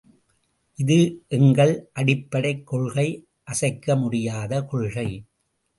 இது எங்கள் அடிப்படைக் கொள்கை அசைக் முடியாத கொள்கை.